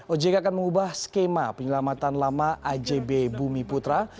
ojk akan mengubah skema penyelamatan lama ajb bumi putra